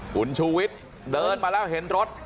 คุณชูวิทย์เดินมาแล้วเห็นรถ